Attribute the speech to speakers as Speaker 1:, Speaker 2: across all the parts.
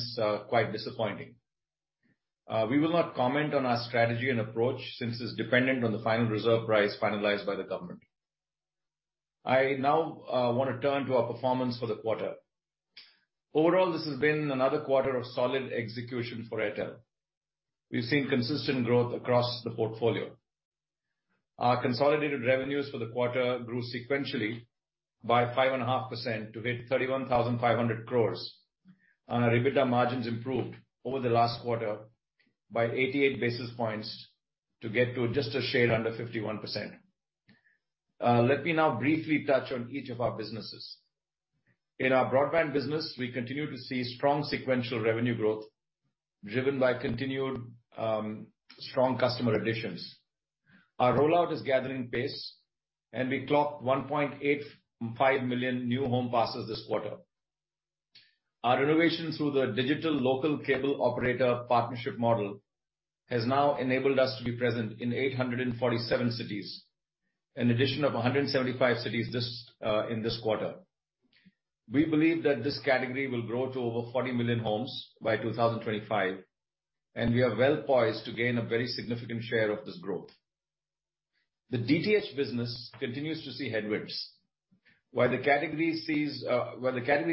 Speaker 1: It's quite disappointing. We will not comment on our strategy and approach since it's dependent on the final reserve price finalized by the government. I now wanna turn to our performance for the quarter. Overall, this has been another quarter of solid execution for Airtel. We've seen consistent growth across the portfolio. Our consolidated revenues for the quarter grew sequentially by 5.5% to hit 31,500 crores. Our EBITDA margins improved over the last quarter by 88 basis points to get to just a shade under 51%. Let me now briefly touch on each of our businesses. In our broadband business, we continue to see strong sequential revenue growth driven by continued strong customer additions. Our rollout is gathering pace and we clocked 1.85 million new home passes this quarter. Our innovation through the digital local cable operator partnership model has now enabled us to be present in 847 cities, an addition of 175 cities in this quarter. We believe that this category will grow to over 40 million homes by 2025, and we are well-poised to gain a very significant share of this growth. The DTH business continues to see headwinds. While the category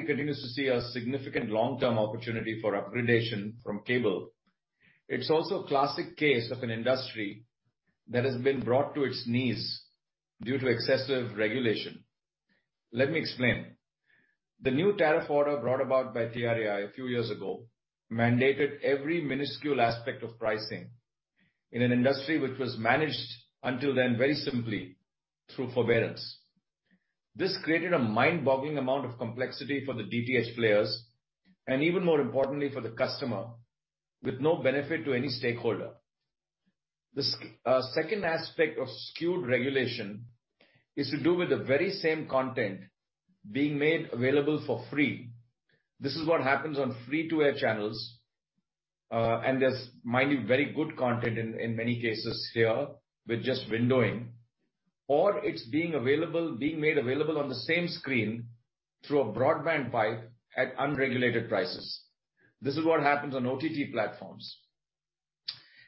Speaker 1: continues to see a significant long-term opportunity for upgradation from cable, it's also a classic case of an industry that has been brought to its knees due to excessive regulation. Let me explain. The new tariff order brought about by TRAI a few years ago mandated every minuscule aspect of pricing in an industry which was managed until then very simply through forbearance. This created a mind-boggling amount of complexity for the DTH players, and even more importantly, for the customer, with no benefit to any stakeholder. The second aspect of skewed regulation is to do with the very same content being made available for free. This is what happens on free-to-air channels, and there's mainly very good content in many cases here with just windowing, or it's being made available on the same screen through a broadband pipe at unregulated prices. This is what happens on OTT platforms.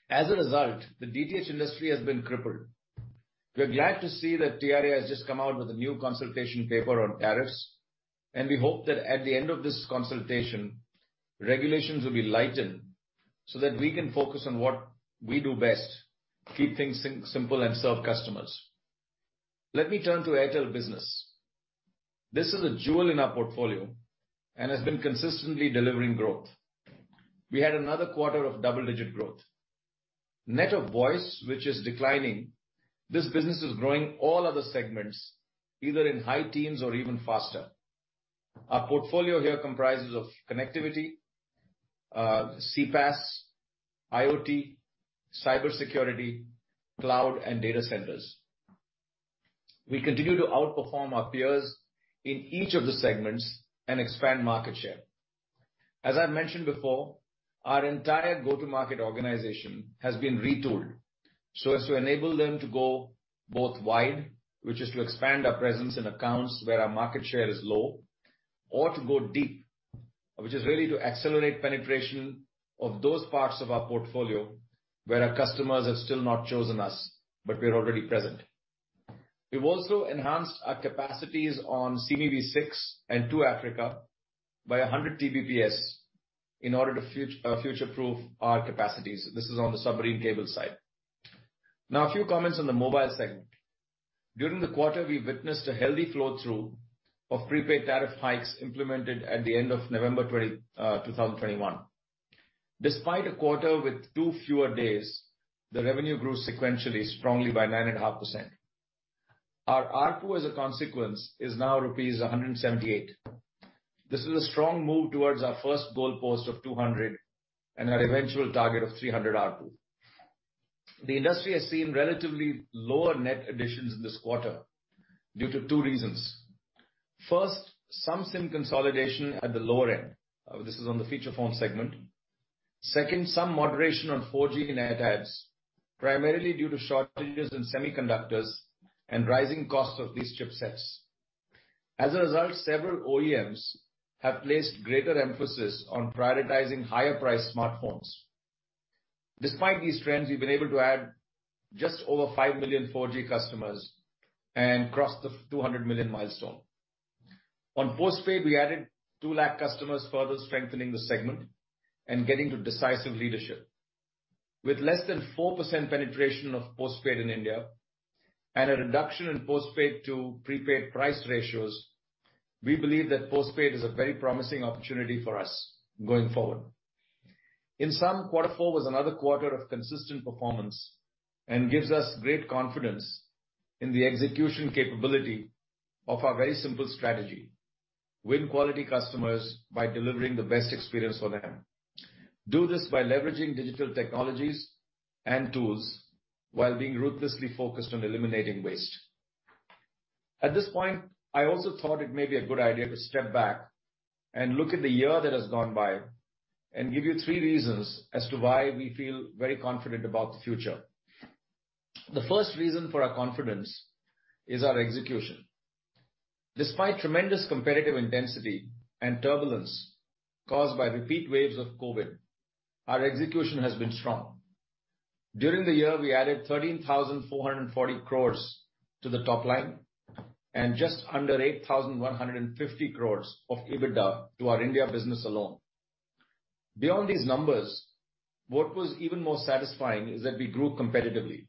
Speaker 1: As a result, the DTH industry has been crippled. We're glad to see that TRAI has just come out with a new consultation paper on tariffs, and we hope that at the end of this consultation, regulations will be lightened so that we can focus on what we do best, keep things simple and serve customers. Let me turn to Airtel Business. This is a jewel in our portfolio and has been consistently delivering growth. We had another quarter of double-digit growth. Net of voice, which is declining, this business is growing all other segments, either in high teens or even faster. Our portfolio here comprises of connectivity, CPaaS, IoT, cybersecurity, cloud, and data centers. We continue to outperform our peers in each of the segments and expand market share. As I've mentioned before, our entire go-to-market organization has been retooled so as to enable them to go both wide, which is to expand our presence in accounts where our market share is low. To go deep, which is really to accelerate penetration of those parts of our portfolio where our customers have still not chosen us, but we're already present. We've also enhanced our capacities on SEA-ME-WE 6 and 2Africa by 100 Tbps in order to future-proof our capacities. This is on the submarine cable side. Now a few comments on the mobile segment. During the quarter, we witnessed a healthy flow-through of prepaid tariff hikes implemented at the end of November 2021. Despite a quarter with two fewer days, the revenue grew sequentially strongly by 9.5%. Our ARPU, as a consequence, is now rupees 178. This is a strong move towards our first goalpost of 200 and our eventual target of 300 ARPU. The industry has seen relatively lower net additions this quarter due to two reasons. First, some SIM consolidation at the lower end. This is on the feature phone segment. Second, some moderation on 4G in airtime, primarily due to shortages in semiconductors and rising costs of these chipsets. As a result, several OEMs have placed greater emphasis on prioritizing higher-priced smartphones. Despite these trends, we've been able to add just over five million 4G customers and crossed the 200 million milestone. On postpaid, we added 2 lakh customers, further strengthening the segment and getting to decisive leadership. With less than 4% penetration of postpaid in India and a reduction in postpaid to prepaid price ratios, we believe that postpaid is a very promising opportunity for us going forward. In sum, quarter four was another quarter of consistent performance and gives us great confidence in the execution capability of our very simple strategy. Win quality customers by delivering the best experience for them. Do this by leveraging digital technologies and tools while being ruthlessly focused on eliminating waste. At this point, I also thought it may be a good idea to step back and look at the year that has gone by and give you three reasons as to why we feel very confident about the future. The first reason for our confidence is our execution. Despite tremendous competitive intensity and turbulence caused by repeat waves of COVID, our execution has been strong. During the year, we added 13,440 crores to the top line and just under 8,150 crores of EBITDA to our India business alone. Beyond these numbers, what was even more satisfying is that we grew competitively.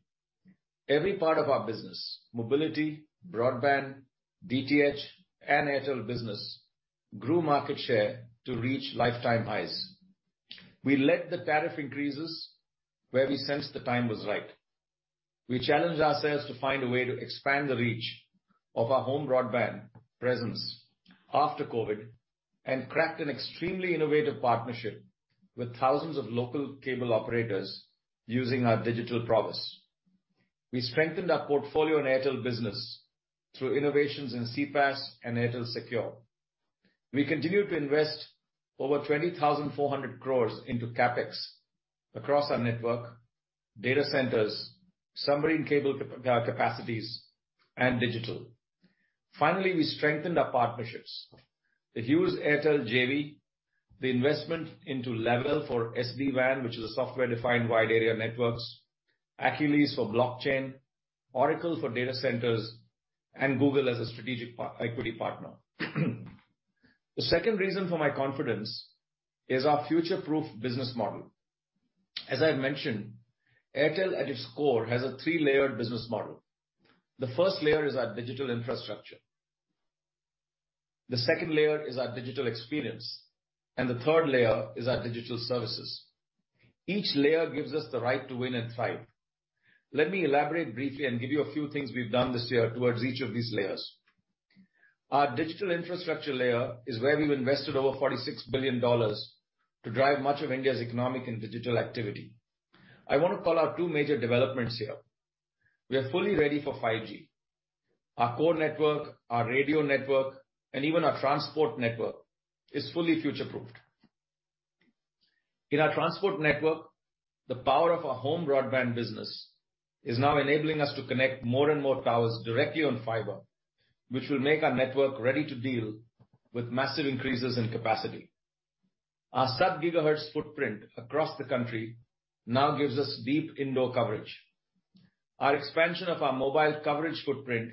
Speaker 1: Every part of our business, mobility, broadband, DTH, and Airtel Business, grew market share to reach lifetime highs. We led the tariff increases where we sensed the time was right. We challenged ourselves to find a way to expand the reach of our home broadband presence after COVID and cracked an extremely innovative partnership with thousands of local cable operators using our digital promise. We strengthened our portfolio in Airtel Business through innovations in CPaaS and Airtel Secure. We continued to invest over 20,400 crores into CapEx across our network, data centers, submarine cable capacities and digital. Finally, we strengthened our partnerships. The Hughes Airtel JV, the investment into Lavelle for SD-WAN, which is a software-defined wide area network, Aqilliz for blockchain, Oracle for data centers, and Google as a strategic equity partner. The second reason for my confidence is our future-proof business model. As I mentioned, Airtel, at its core, has a three-layered business model. The first layer is our digital infrastructure, the second layer is our digital experience, and the third layer is our digital services. Each layer gives us the right to win and thrive. Let me elaborate briefly and give you a few things we've done this year towards each of these layers. Our digital infrastructure layer is where we've invested over $46 billion to drive much of India's economic and digital activity. I want to call out two major developments here. We are fully ready for 5G. Our core network, our radio network, and even our transport network is fully future-proofed. In our transport network, the power of our home broadband business is now enabling us to connect more and more towers directly on fiber, which will make our network ready to deal with massive increases in capacity. Our Sub-GHz footprint across the country now gives us deep indoor coverage. Our expansion of our mobile coverage footprint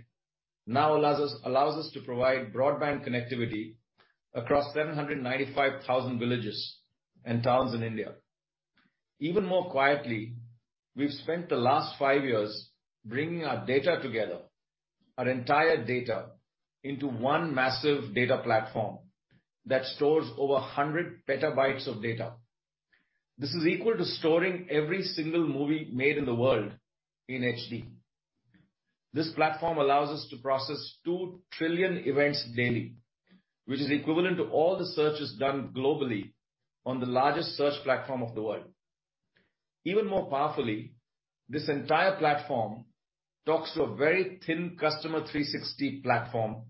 Speaker 1: now allows us to provide broadband connectivity across 795,000 villages and towns in India. Even more quietly, we've spent the last five years bringing our data together, our entire data, into one massive data platform that stores over 100 PB of data. This is equal to storing every single movie made in the world in HD. This platform allows us to process 2 trillion events daily, which is equivalent to all the searches done globally on the largest search platform of the world. Even more powerfully, this entire platform talks to a very thin Customer 360 platform,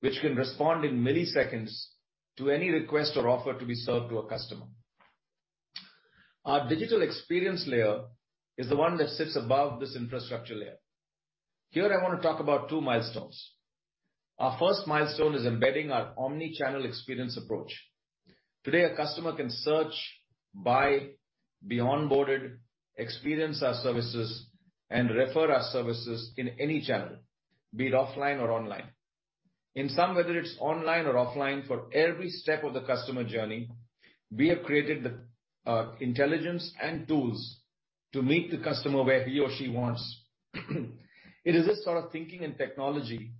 Speaker 1: which can respond in milliseconds to any request or offer to be sold to a customer. Our digital experience layer is the one that sits above this infrastructure layer. Here, I wanna talk about two milestones. Our first milestone is embedding our omni-channel experience approach. Today, a customer can search, buy, be onboarded, experience our services, and refer our services in any channel, be it offline or online. In sum, whether it's online or offline, for every step of the customer journey, we have created the intelligence and tools to meet the customer where he or she wants. It is this sort of thinking and technology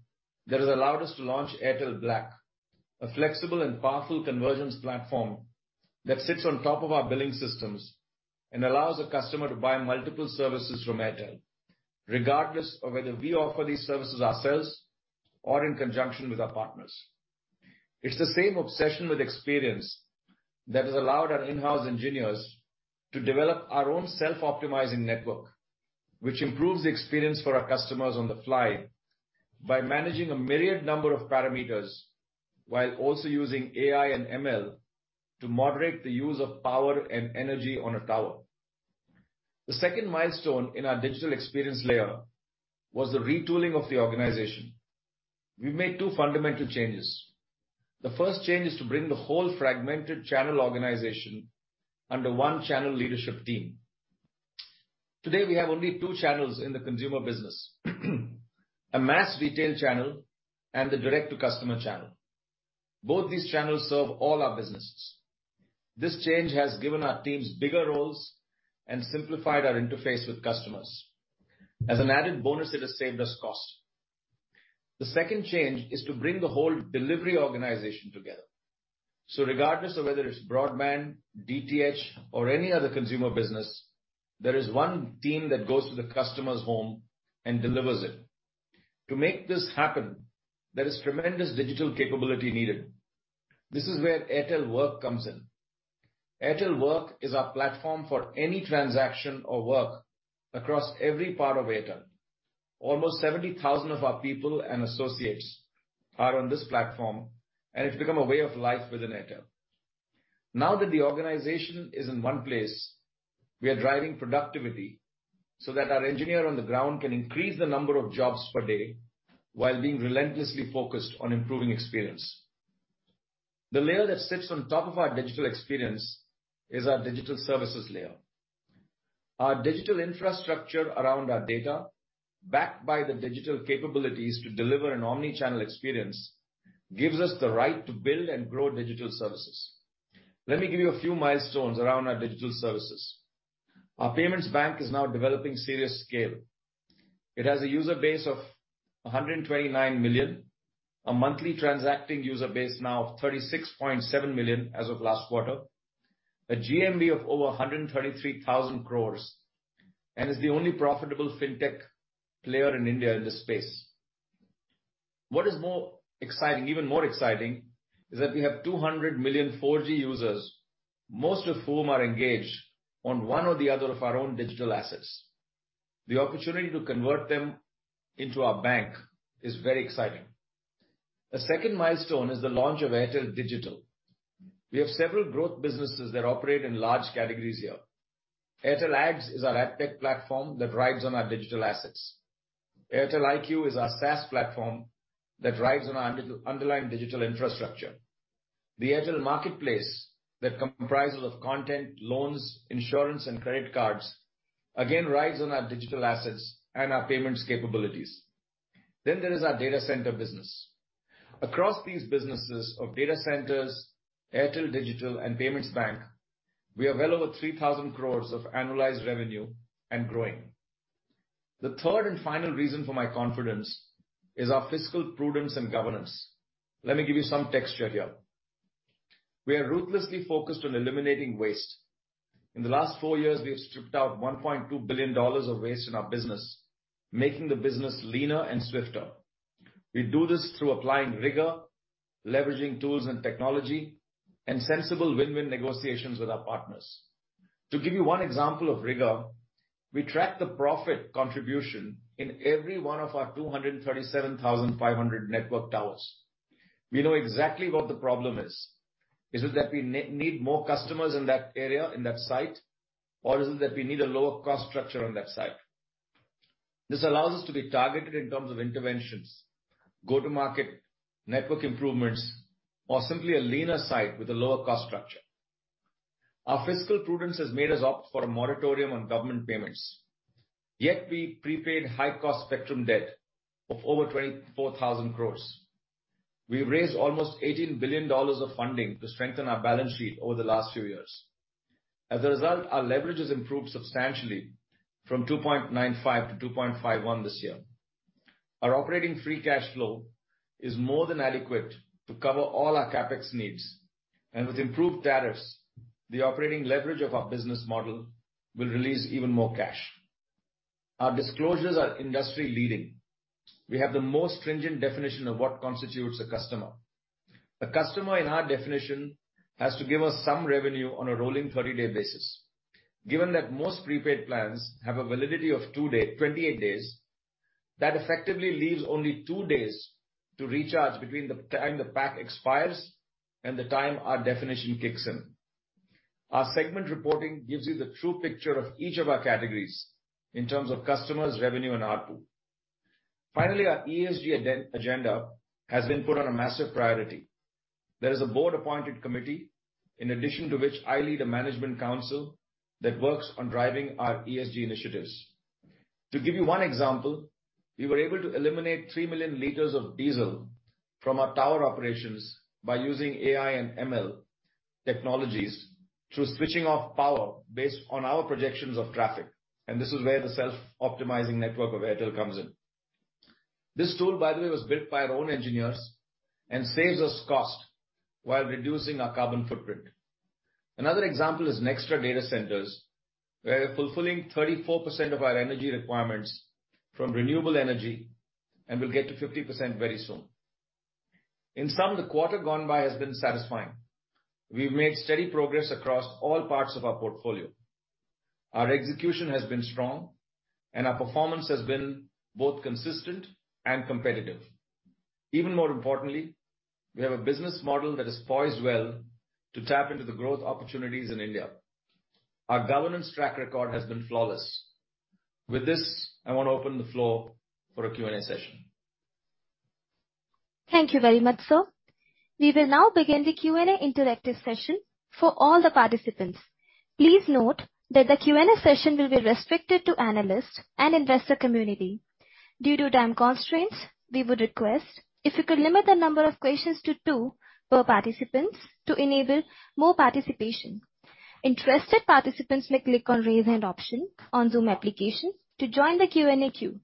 Speaker 1: that has allowed us to launch Airtel Black, a flexible and powerful convergence platform that sits on top of our billing systems and allows a customer to buy multiple services from Airtel, regardless of whether we offer these services ourselves or in conjunction with our partners. It's the same obsession with experience that has allowed our in-house engineers to develop our own self-optimizing network, which improves the experience for our customers on the fly by managing a myriad number of parameters, while also using AI and ML to moderate the use of power and energy on a tower. The second milestone in our digital experience layer was the retooling of the organization. We made two fundamental changes. The first change is to bring the whole fragmented channel organization under one channel leadership team. Today, we have only two channels in the consumer business, a mass retail channel and the direct-to-customer channel. Both these channels serve all our businesses. This change has given our teams bigger roles and simplified our interface with customers. As an added bonus, it has saved us cost. The second change is to bring the whole delivery organization together. Regardless of whether it's broadband, DTH, or any other consumer business, there is one team that goes to the customer's home and delivers it. To make this happen, there is tremendous digital capability needed. This is where Airtel Work comes in. Airtel Work is our platform for any transaction or work across every part of Airtel. Almost 70,000 of our people and associates are on this platform, and it's become a way of life within Airtel. Now that the organization is in one place, we are driving productivity so that our engineer on the ground can increase the number of jobs per day while being relentlessly focused on improving experience. The layer that sits on top of our digital experience is our digital services layer. Our digital infrastructure around our data, backed by the digital capabilities to deliver an omni-channel experience, gives us the right to build and grow digital services. Let me give you a few milestones around our digital services. Our payments bank is now developing serious scale. It has a user base of 129 million, a monthly transacting user base now of 36.7 million as of last quarter, a GMV of over 133,000 crores, and is the only profitable fintech player in India in this space. What is more exciting, even more exciting, is that we have 200 million 4G users, most of whom are engaged on one or the other of our own digital assets. The opportunity to convert them into our bank is very exciting. The second milestone is the launch of Airtel Digital. We have several growth businesses that operate in large categories here. Airtel Ads is our ad tech platform that rides on our digital assets. Airtel IQ is our SaaS platform that rides on our underlying digital infrastructure. The Airtel Marketplace that comprises of content, loans, insurance, and credit cards, again, rides on our digital assets and our payments capabilities. There is our data center business. Across these businesses of data centers, Airtel Digital and payments bank, we are well over 3,000 crores of annualized revenue and growing. The third and final reason for my confidence is our fiscal prudence and governance. Let me give you some texture here. We are ruthlessly focused on eliminating waste. In the last four years, we have stripped out $1.2 billion of waste in our business, making the business leaner and swifter. We do this through applying rigor, leveraging tools and technology, and sensible win-win negotiations with our partners. To give you one example of rigor, we track the profit contribution in every one of our 237,500 network towers. We know exactly what the problem is. Is it that we need more customers in that area, in that site? Or is it that we need a lower cost structure on that site? This allows us to be targeted in terms of interventions, go-to-market network improvements, or simply a leaner site with a lower cost structure. Our fiscal prudence has made us opt for a moratorium on government payments, yet we prepaid high-cost spectrum debt of over 24,000 crores. We raised almost $18 billion of funding to strengthen our balance sheet over the last few years. As a result, our leverage has improved substantially from 2.95-2.51 this year. Our operating free cash flow is more than adequate to cover all our CapEx needs. With improved tariffs, the operating leverage of our business model will release even more cash. Our disclosures are industry-leading. We have the most stringent definition of what constitutes a customer. A customer in our definition has to give us some revenue on a rolling 30-day basis. Given that most prepaid plans have a validity of 28 days, that effectively leaves only two days to recharge between the time the pack expires and the time our definition kicks in. Our segment reporting gives you the true picture of each of our categories in terms of customers, revenue, and ARPU. Finally, our ESG agenda has been put on a massive priority. There is a board-appointed committee, in addition to which I lead a management council that works on driving our ESG initiatives. To give you one example, we were able to eliminate 3 million liters of diesel from our tower operations by using AI and ML technologies through switching off power based on our projections of traffic. This is where the self-optimizing network of Airtel comes in. This tool, by the way, was built by our own engineers and saves us cost while reducing our carbon footprint. Another example is Nxtra Data Centers, where we're fulfilling 34% of our energy requirements from renewable energy and will get to 50% very soon. In sum, the quarter gone by has been satisfying. We've made steady progress across all parts of our portfolio. Our execution has been strong, and our performance has been both consistent and competitive. Even more importantly, we have a business model that is poised well to tap into the growth opportunities in India. Our governance track record has been flawless. With this, I wanna open the floor for a Q&A session.
Speaker 2: Thank you very much, sir. We will now begin the Q&A interactive session for all the participants. Please note that the Q&A session will be restricted to analysts and investor community. Due to time constraints, we would request if you could limit the number of questions to two per participants to enable more participation. Interested participants may click on Raise Hand option on Zoom application to join the Q&A queue.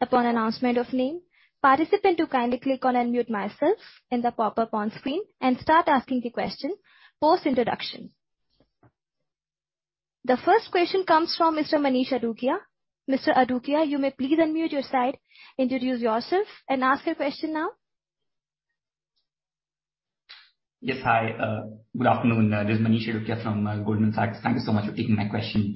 Speaker 2: Upon announcement of name, participant to kindly click on Unmute Myself in the popup on screen and start asking the question post-introduction. The first question comes from Mr. Manish Adukia. Mr. Adukia, you may please unmute your side, introduce yourself, and ask your question now.
Speaker 3: Yes. Hi, good afternoon. This is Manish from Goldman Sachs. Thank you so much for taking my question.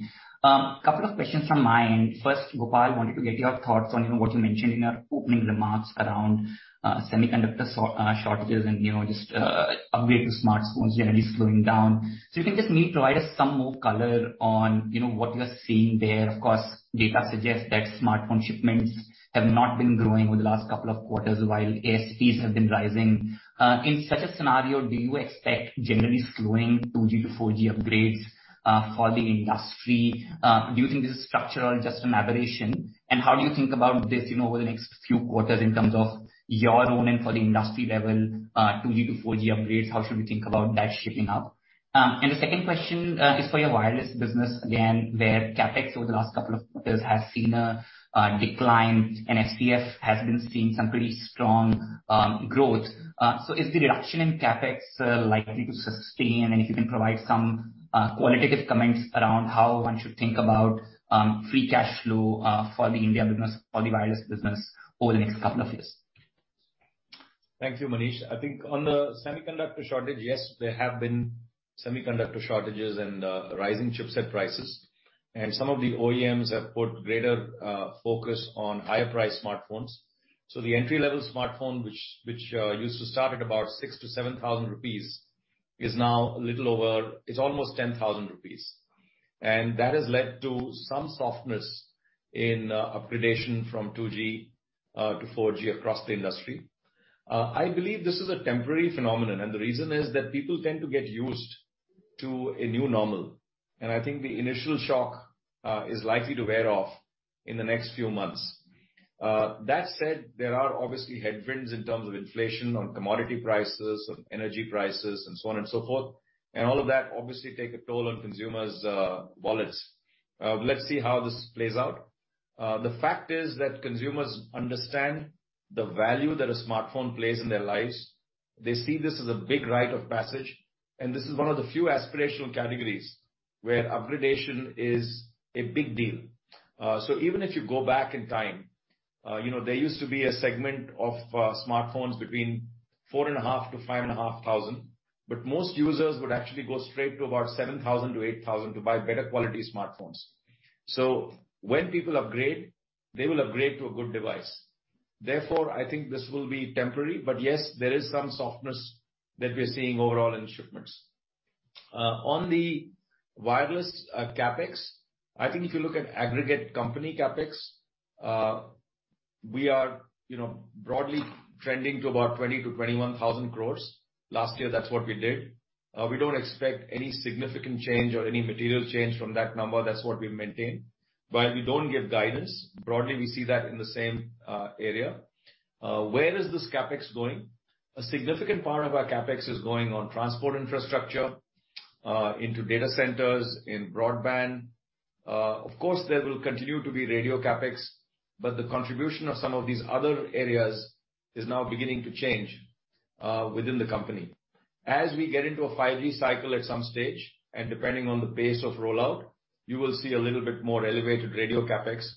Speaker 3: Couple of questions from my end. First, Gopal, wanted to get your thoughts on, you know, what you mentioned in your opening remarks around semiconductor shortages and, you know, just upgrade to smartphones generally slowing down. You can just maybe provide us some more color on, you know, what you're seeing there. Of course, data suggests that smartphone shipments have not been growing over the last couple of quarters while ASPs have been rising. In such a scenario, do you expect generally slowing 2G-4G upgrades for the industry? Do you think this is structural or just an aberration? How do you think about this, you know, over the next few quarters in terms of your own and for the industry level, 2G-4G upgrades, how should we think about that shaping up? The second question is for your wireless business, again, where CapEx over the last couple of quarters has seen a decline and OCF has been seeing some pretty strong growth. So is the reduction in CapEx likely to sustain? If you can provide some qualitative comments around how one should think about free cash flow for the India business or the wireless business over the next couple of years.
Speaker 1: Thank you, Manish. I think on the semiconductor shortage, yes, there have been semiconductor shortages and rising chipset prices. Some of the OEMs have put greater focus on higher-priced smartphones. The entry-level smartphone, which used to start at about 6,000-7,000 rupees, is now a little over 10,000 rupees. That has led to some softness in upgradation from 2G-4G across the industry. I believe this is a temporary phenomenon, and the reason is that people tend to get used to a new normal. I think the initial shock is likely to wear off in the next few months. That said, there are obviously headwinds in terms of inflation on commodity prices, on energy prices and so on and so forth. All of that obviously take a toll on consumers' wallets. Let's see how this plays out. The fact is that consumers understand the value that a smartphone plays in their lives. They see this as a big rite of passage, and this is one of the few aspirational categories where upgradation is a big deal. So even if you go back in time, you know, there used to be a segment of smartphones between 4,500-5,500, but most users would actually go straight to about 7,000-8,000 to buy better quality smartphones. So when people upgrade, they will upgrade to a good device. Therefore, I think this will be temporary. But yes, there is some softness that we are seeing overall in shipments. On the wireless, CapEx, I think if you look at aggregate company CapEx, we are, you know, broadly trending to about 20,000-21,000 crores. Last year that's what we did. We don't expect any significant change or any material change from that number. That's what we maintain. While we don't give guidance, broadly, we see that in the same area. Where is this CapEx going? A significant part of our CapEx is going on transport infrastructure, into data centers, in broadband. Of course, there will continue to be radio CapEx, but the contribution of some of these other areas is now beginning to change within the company. As we get into a 5G cycle at some stage, and depending on the pace of rollout, you will see a little bit more elevated radio CapEx.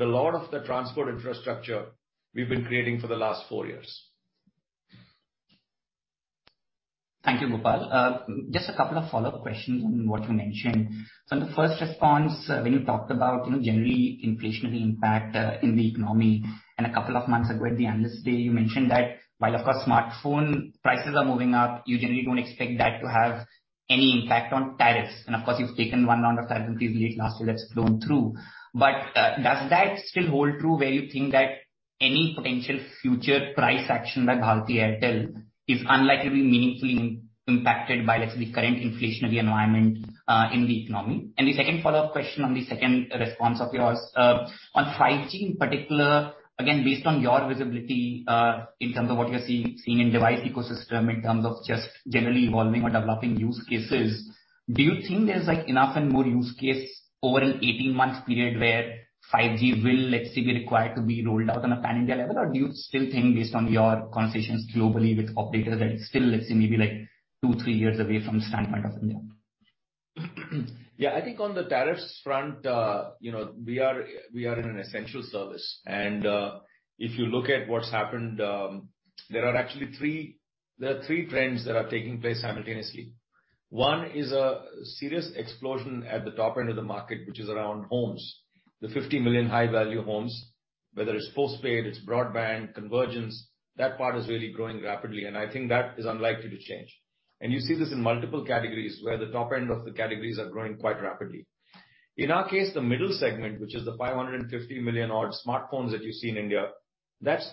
Speaker 1: A lot of the transport infrastructure we've been creating for the last four years.
Speaker 3: Thank you, Gopal. Just a couple of follow-up questions on what you mentioned. On the first response, when you talked about, you know, generally inflationary impact in the economy, and a couple of months ago at the Analyst day, you mentioned that while of course smartphone prices are moving up, you generally don't expect that to have any impact on tariffs. And of course, you've taken one round of tariff increase late last year that's flown through. Does that still hold true, where you think that any potential future price action by Bharti Airtel is unlikely to be meaningfully impacted by, let's say, the current inflationary environment in the economy? The second follow-up question on the second response of yours. On 5G in particular, again, based on your visibility, in terms of what you're seeing in device ecosystem, in terms of just generally evolving or developing use cases, do you think there is, like, enough and more use case over an 18-month period where 5G will, let's say, be required to be rolled out on a pan-India level? Or do you still think based on your conversations globally with operators that it's still, let's say, maybe, like, two, three years away from the standpoint of India?
Speaker 1: Yeah, I think on the tariffs front, you know, we are in an essential service. If you look at what's happened, there are actually three trends that are taking place simultaneously. One is a serious explosion at the top end of the market, which is around homes. The 50 million high-value homes, whether it's postpaid, it's broadband, convergence, that part is really growing rapidly, and I think that is unlikely to change. You see this in multiple categories, where the top end of the categories are growing quite rapidly. In our case, the middle segment, which is the 550 million-odd smartphones that you see in India, that's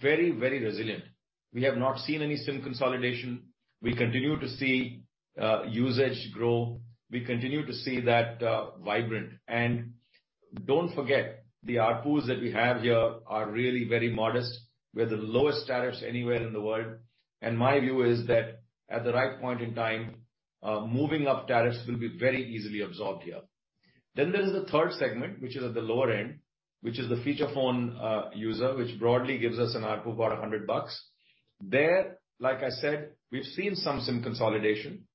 Speaker 1: very, very resilient. We have not seen any SIM consolidation. We continue to see usage grow. We continue to see that vibrant. Don't forget, the ARPUs that we have here are really very modest. We have the lowest tariffs anywhere in the world. My view is that at the right point in time, moving up tariffs will be very easily absorbed here. There is a third segment, which is at the lower end, which is the feature phone user, which broadly gives us an ARPU of about INR 100. There, like I said, we've seen some SIM consolidation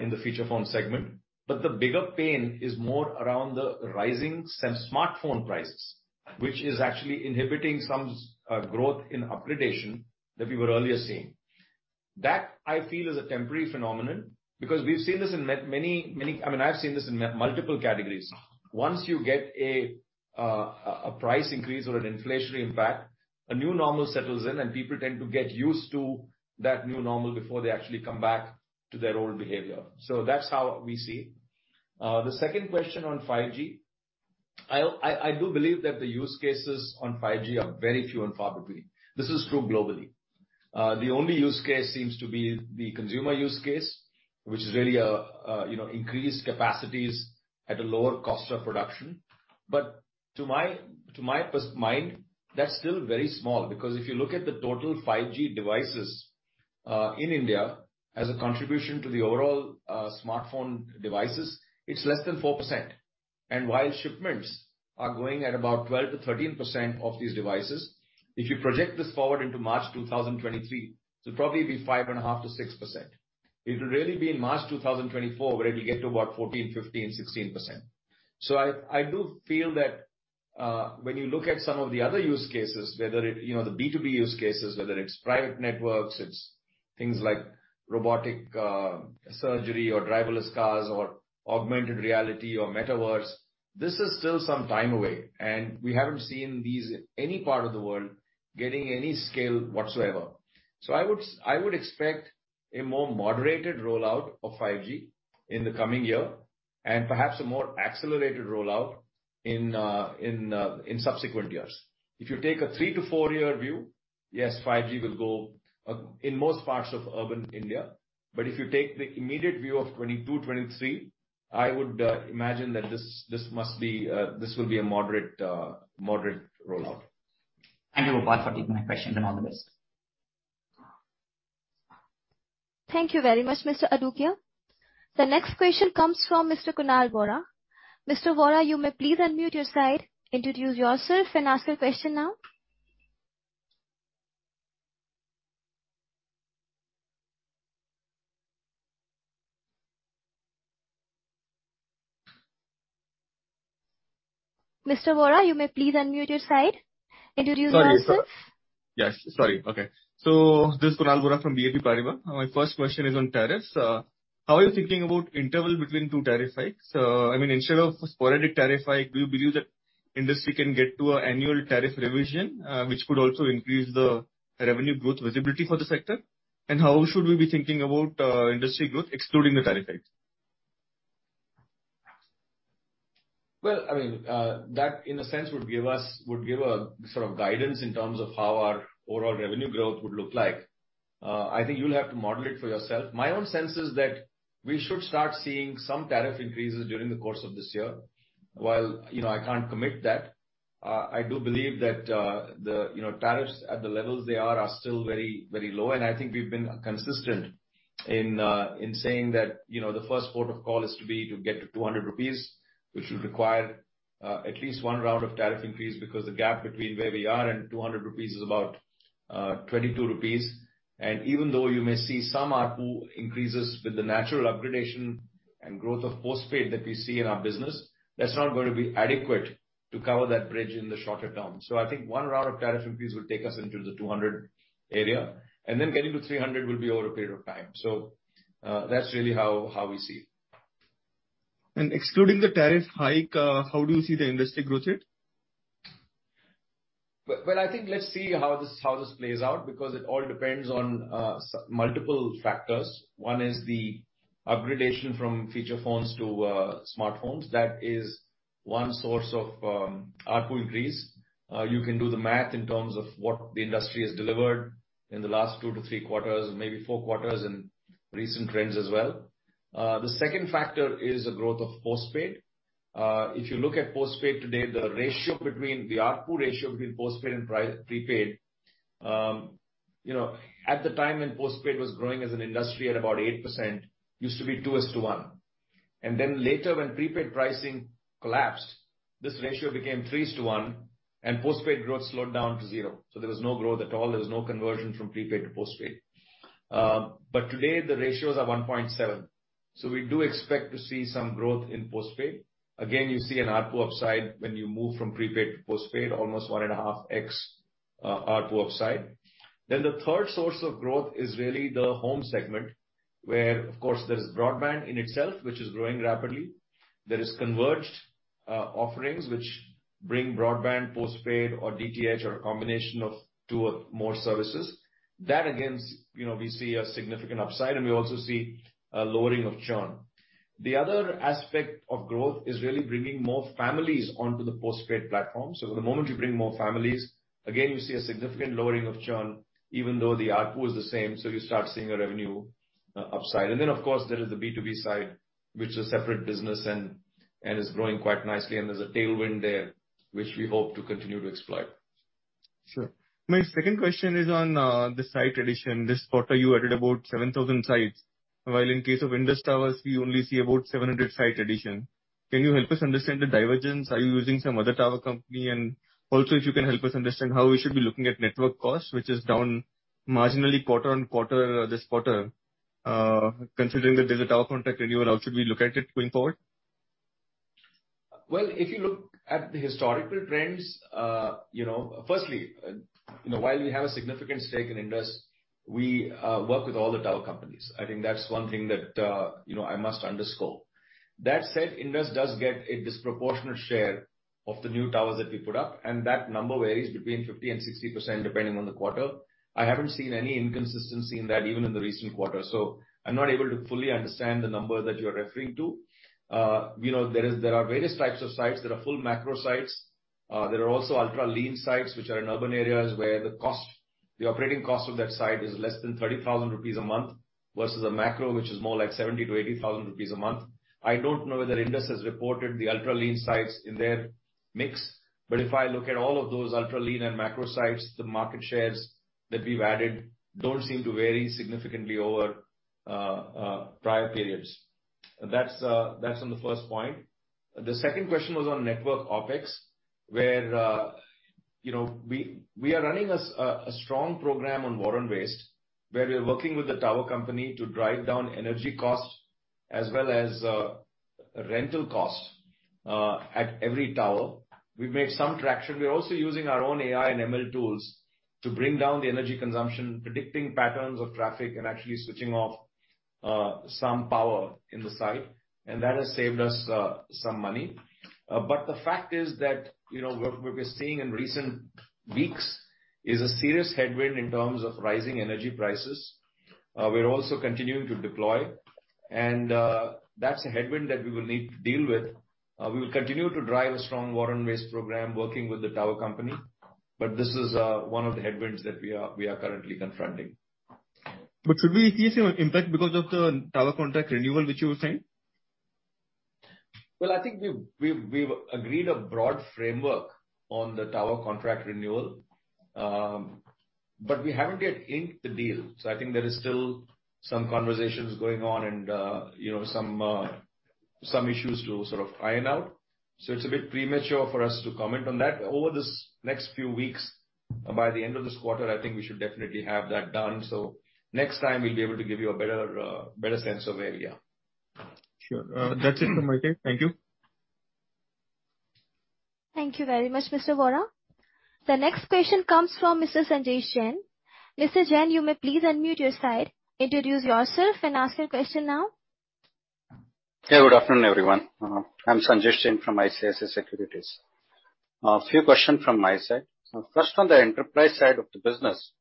Speaker 1: in the feature phone segment, but the bigger pain is more around the rising smartphone prices. Which is actually inhibiting some growth in upgradation that we were earlier seeing. That, I feel, is a temporary phenomenon because we've seen this in many. I mean, I've seen this in multiple categories. Once you get a price increase or an inflationary impact, a new normal settles in, and people tend to get used to that new normal before they actually come back to their old behavior. That's how we see. The second question on 5G. I do believe that the use cases on 5G are very few and far between. This is true globally. The only use case seems to be the consumer use case, which is really, you know, increased capacities at a lower cost of production. But to my mind, that's still very small because if you look at the total 5G devices in India as a contribution to the overall smartphone devices, it's less than 4%. While shipments are going at about 12%-13% of these devices, if you project this forward into March 2023, it'll probably be 5.5%-6%. It'll really be in March 2024 where it'll get to about 14%, 15%, 16%. I do feel that when you look at some of the other use cases, whether it's, you know, the B2B use cases, whether it's private networks, it's things like robotic surgery or driverless cars or augmented reality or metaverse, this is still some time away, and we haven't seen these in any part of the world getting any scale whatsoever. I would expect a more moderated rollout of 5G in the coming year and perhaps a more accelerated rollout in subsequent years. If you take a three to four year view, yes, 5G will go in most parts of urban India. If you take the immediate view of 2022-2023, I would imagine that this will be a moderate rollout.
Speaker 3: Thank you, Gopal Vittal, for taking my question. All the best.
Speaker 2: Thank you very much, Mr. Adukia. The next question comes from Mr. Kunal Vora. Mr. Vora, you may please unmute your side, introduce yourself and ask your question now. Mr. Vora, you may please unmute your side. Introduce yourself.
Speaker 4: This is Kunal Vora from BNP Paribas. My first question is on tariffs. How are you thinking about interval between two tariff hikes? I mean, instead of a sporadic tariff hike, do you believe that industry can get to an annual tariff revision, which could also increase the revenue growth visibility for the sector? And how should we be thinking about industry growth excluding the tariff hikes?
Speaker 1: I mean, that in a sense would give us a sort of guidance in terms of how our overall revenue growth would look like. I think you'll have to model it for yourself. My own sense is that we should start seeing some tariff increases during the course of this year. While, you know, I can't commit that. I do believe that the, you know, tariffs at the levels they are are still very, very low. I think we've been consistent in saying that, you know, the first port of call is to get to 200 rupees, which would require at least one round of tariff increase because the gap between where we are and 200 rupees is about 22 rupees. Even though you may see some ARPU increases with the natural upgradation and growth of postpaid that we see in our business, that's not gonna be adequate to cover that bridge in the shorter term. I think one round of tariff increase will take us into the 200 area, and then getting to 300 will be over a period of time. That's really how we see it.
Speaker 4: Excluding the tariff hike, how do you see the industry growth rate?
Speaker 1: Well, I think let's see how this plays out because it all depends on multiple factors. One is the upgradation from feature phones to smartphones. That is one source of ARPU increase. You can do the math in terms of what the industry has delivered in the last two to three quarters, maybe four quarters, and recent trends as well. The second factor is the growth of postpaid. If you look at postpaid today, the ARPU ratio between postpaid and prepaid, you know, at the time when postpaid was growing as an industry at about 8%, used to be two is to one. Then later when prepaid pricing collapsed, this ratio became three is to one and postpaid growth slowed down to zero. There was no growth at all. There was no conversion from prepaid to postpaid. Today the ratio is at 1.7, so we do expect to see some growth in postpaid. Again, you see an ARPU upside when you move from prepaid to postpaid, almost 1.5x ARPU upside. The third source of growth is really the home segment where, of course, there is broadband in itself which is growing rapidly. There is converged offerings which bring broadband, postpaid or DTH or a combination of two or more services. That against, you know, we see a significant upside and we also see a lowering of churn. The other aspect of growth is really bringing more families onto the postpaid platform. The moment you bring more families, again, you see a significant lowering of churn even though the ARPU is the same, so you start seeing a revenue upside. Of course there is the B2B side which is a separate business and is growing quite nicely and there's a tailwind there which we hope to continue to exploit.
Speaker 4: Sure. My second question is on the site addition. This quarter you added about 7,000 sites, while in case of Indus Towers you only see about 700 sites addition. Can you help us understand the divergence? Are you using some other tower company? And also if you can help us understand how we should be looking at network costs which is down marginally quarter-on-quarter, this quarter. Considering the digital contract renewal, how should we look at it going forward?
Speaker 1: Well, if you look at the historical trends, you know, firstly, you know, while we have a significant stake in Indus Towers, we work with all the tower companies. I think that's one thing that, you know, I must underscore. That said, Indus Towers does get a disproportionate share of the new towers that we put up, and that number varies between 50% and 60%, depending on the quarter. I haven't seen any inconsistency in that, even in the recent quarter. I'm not able to fully understand the number that you're referring to. You know, there are various types of sites. There are full macro sites. There are also ultra lean sites which are in urban areas where the cost, the operating cost of that site is less than 30,000 rupees a month, versus a macro, which is more like 70,000-80,000 rupees a month. I don't know whether Indus Towers has reported the ultra lean sites in their mix, but if I look at all of those ultra lean and macro sites, the market shares that we've added don't seem to vary significantly over prior periods. That's on the first point. The second question was on network OpEx, where you know, we are running a strong program on War on Waste, where we're working with the tower company to drive down energy costs as well as rental costs at every tower. We've made some traction. We're also using our own AI and ML tools to bring down the energy consumption, predicting patterns of traffic and actually switching off some power in the site, and that has saved us some money. The fact is that, you know, what we're seeing in recent weeks is a serious headwind in terms of rising energy prices. We're also continuing to deploy and that's a headwind that we will need to deal with. We will continue to drive a strong War on Waste program working with the tower company. This is one of the headwinds that we are currently confronting.
Speaker 4: Should we see some impact because of the tower contract renewal which you were saying?
Speaker 1: Well, I think we've agreed a broad framework on the tower contract renewal, but we haven't yet inked the deal, so I think there is still some conversations going on and, you know, some issues to sort of iron out. It's a bit premature for us to comment on that. Over this next few weeks, by the end of this quarter, I think we should definitely have that done. Next time we'll be able to give you a better sense of where we are.
Speaker 4: Sure. That's it from my side. Thank you.
Speaker 2: Thank you very much, Mr. Vora. The next question comes from Mr. Sanjesh Jain. Mr. Jain, you may please unmute your side. Introduce yourself and ask your question now.
Speaker 5: Yeah. Good afternoon, everyone. I'm Sanjesh Jain from ICICI Securities. A few questions from my side. First on the enterprise side of the business.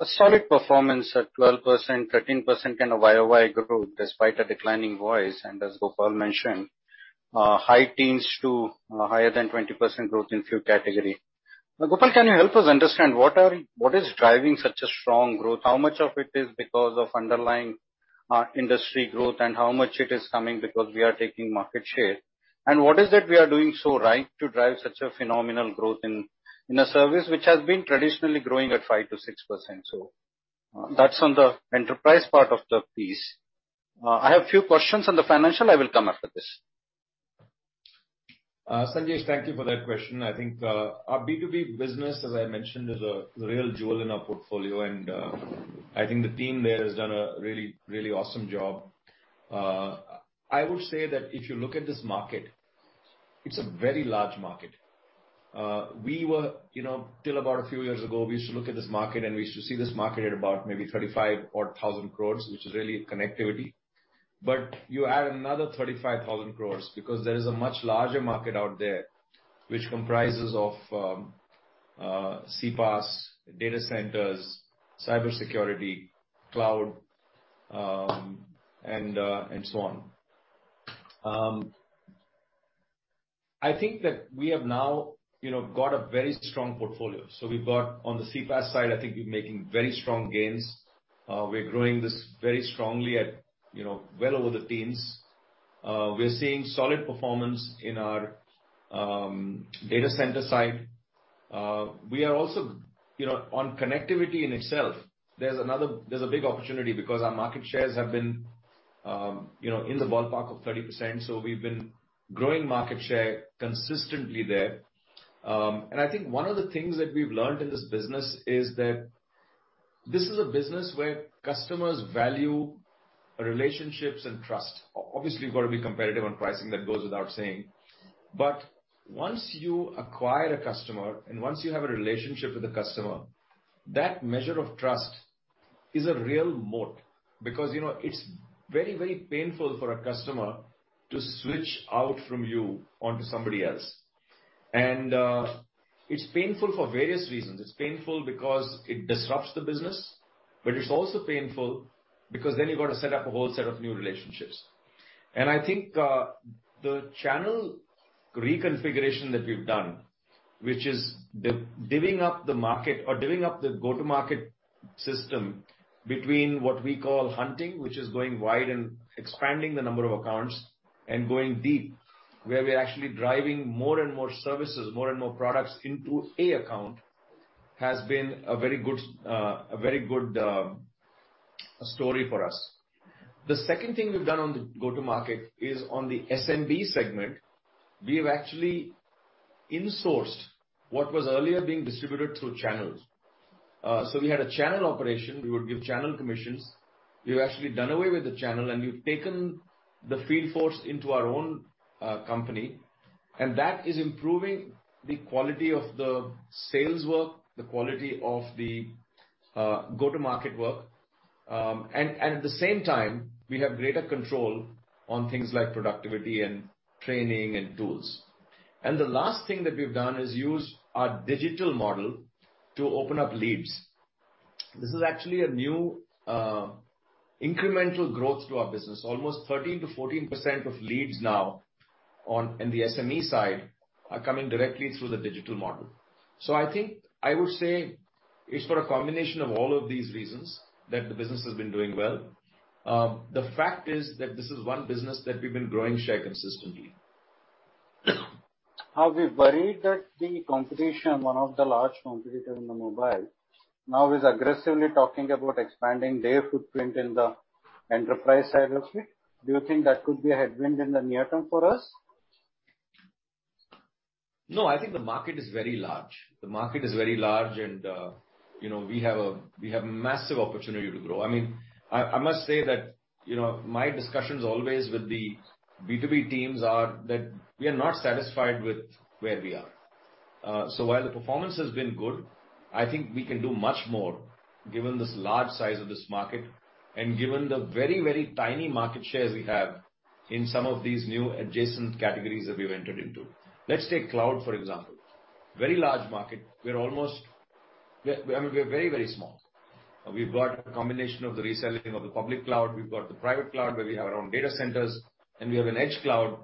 Speaker 5: A solid performance at 12%-13% kind of YOY growth despite a declining voice, and as Gopal mentioned, high teens to higher than 20% growth in few category. Now, Gopal, can you help us understand what is driving such a strong growth? How much of it is because of underlying industry growth and how much it is coming because we are taking market share? And what is it we are doing so right to drive such a phenomenal growth in a service which has been traditionally growing at 5%-6%? That's on the enterprise part of the piece. I have a few questions on the financial. I will come after this.
Speaker 1: Sanjesh, thank you for that question. I think our B2B business, as I mentioned, is a real jewel in our portfolio and I think the team there has done a really awesome job. I would say that if you look at this market, it's a very large market. We were, you know, till about a few years ago, we used to look at this market and we used to see this market at about maybe 35,000 crores, which is really connectivity. But you add another 35,000 crores because there is a much larger market out there which comprises of CPaaS, data centers, cybersecurity, cloud, and so on. I think that we have now, you know, got a very strong portfolio. We've got on the CPaaS side, I think we're making very strong gains. We're growing this very strongly at, you know, well over the teens. We're seeing solid performance in our data center side. We are also, you know, on connectivity in itself, there's a big opportunity because our market shares have been, you know, in the ballpark of 30%, so we've been growing market share consistently there. I think one of the things that we've learned in this business is that this is a business where customers value relationships and trust. Obviously you've got to be competitive on pricing, that goes without saying. Once you acquire a customer and once you have a relationship with the customer, that measure of trust is a real moat because, you know, it's very, very painful for a customer to switch out from you onto somebody else. It's painful for various reasons. It's painful because it disrupts the business, but it's also painful because then you've got to set up a whole set of new relationships. I think the channel reconfiguration that we've done, which is divvying up the market or divvying up the go-to market system between what we call hunting, which is going wide and expanding the number of accounts and going deep, where we're actually driving more and more services, more and more products into an account, has been a very good story for us. The second thing we've done on the go-to market is on the SMB segment. We've actually in-sourced what was earlier being distributed through channels. We had a channel operation. We would give channel commissions. We've actually done away with the channel, and we've taken the field force into our own company. That is improving the quality of the sales work, the quality of the go-to-market work. At the same time, we have greater control on things like productivity and training and tools. The last thing that we've done is use our digital model to open up leads. This is actually a new incremental growth to our business. Almost 13%-14% of leads now on, in the SME side are coming directly through the digital model. I think I would say it's for a combination of all of these reasons that the business has been doing well. The fact is that this is one business that we've been growing share consistently.
Speaker 5: Are we worried that the competition, one of the large competitor in the mobile, now is aggressively talking about expanding their footprint in the enterprise side of it? Do you think that could be a headwind in the near term for us?
Speaker 1: No, I think the market is very large. The market is very large and we have massive opportunity to grow. My discussions always with the B2B teams are that we are not satisfied with where we are. While the performance has been good, I think we can do much more given this large size of this market and given the very, very tiny market shares we have in some of these new adjacent categories that we've entered into. Let's take cloud, for example. Very large market. We're very, very small. We've got a combination of the reselling of the public cloud. We've got the private cloud, where we have our own data centers, and we have an edge cloud.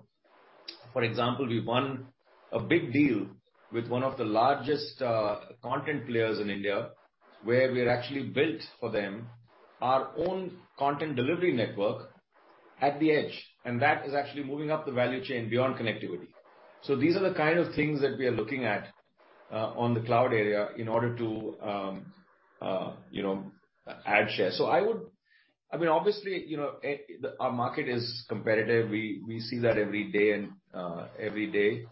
Speaker 1: For example, we won a big deal with one of the largest content players in India, where we had actually built for them our own content delivery network at the edge. That is actually moving up the value chain beyond connectivity. These are the kind of things that we are looking at on the cloud area in order to, you know, add share. I would. I mean, obviously, you know, our market is competitive. We see that every day.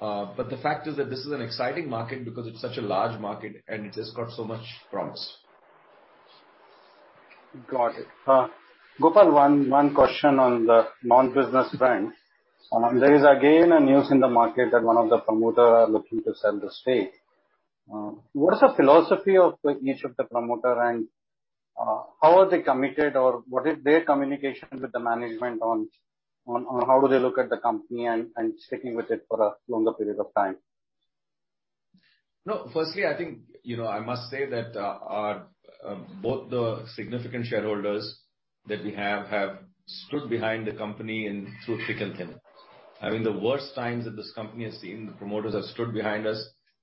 Speaker 1: But the fact is that this is an exciting market because it's such a large market, and it has got so much promise.
Speaker 5: Got it. Gopal, one question on the non-business front. There is again news in the market that one of the promoters are looking to sell the stake. What is the philosophy of each of the promoters and how are they committed or what is their communication with the management on how do they look at the company and sticking with it for a longer period of time?
Speaker 1: No. Firstly, I think, you know, I must say that our both the significant shareholders that we have have stood behind the company and through thick and thin. I mean, the worst times that this company has seen, the promoters have stood behind us.